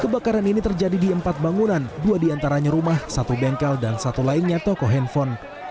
kebakaran ini terjadi di empat bangunan dua diantaranya rumah satu bengkel dan satu lainnya toko handphone